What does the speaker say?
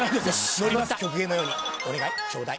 乗ります曲芸のようにお願いちょうだい。